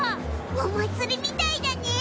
お祭りみたいだね！